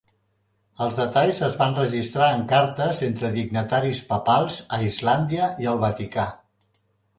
Els detalls es van registrar en cartes entre dignataris papals a Islàndia i el Vaticà.